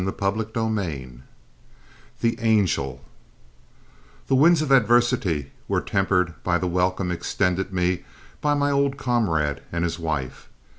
CHAPTER VII "THE ANGEL" The winds of adversity were tempered by the welcome extended me by my old comrade and his wife.